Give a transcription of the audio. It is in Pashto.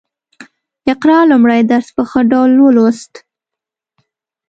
اقرا لومړی درس په ښه ډول ولوست